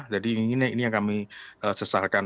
jadi ini yang kami sesakan